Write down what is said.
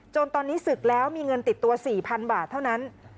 ตอนนี้ศึกแล้วมีเงินติดตัว๔๐๐๐บาทเท่านั้น